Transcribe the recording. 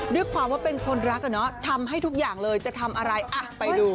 ด้วยความว่าเป็นคนรักอะเนาะทำให้ทุกอย่างเลยจะทำอะไรอ่ะไปดู